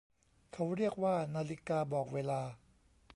เขาเรียกว่านาฬิกาบอกเวลา